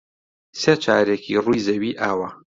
سێ چارەکی ڕووی زەوی ئاوە.